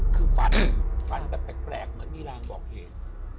คือฝันฝันแบบแปลกเหมือนมีรางบอกเหตุ